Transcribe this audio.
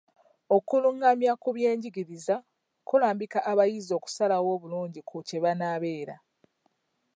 Okulungamya ku by'enjigiriza kulambika abayizi okusalawo obulungi ku kye banaabeera.